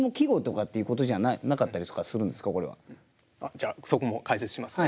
じゃあそこも解説しますね。